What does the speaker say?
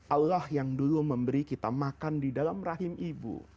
allah yang dulu memberi kita makan di dalam rahim ibu